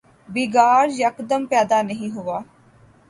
بگاڑ یکدم پیدا نہیں ہوا۔